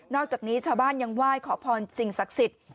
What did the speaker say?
อกจากนี้ชาวบ้านยังไหว้ขอพรสิ่งศักดิ์สิทธิ์